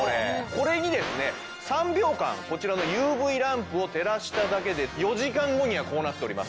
これにですね３秒間こちらのＵＶランプを照らしただけで４時間後にはこうなっております。